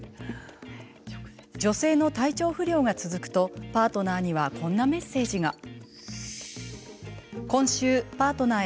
女性の体調不良が続くとパートナーにはこんなメッセージが。